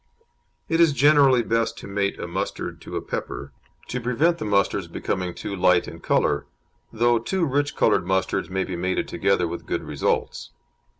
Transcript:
It is generally best to mate a mustard to a pepper, to prevent the mustards becoming too light in colour, though two rich coloured mustards may be mated together with good results.